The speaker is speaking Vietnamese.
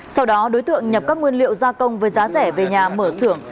sau đó đối tượng nhập các nguyên liệu gia công với giá rẻ về nhà mở xưởng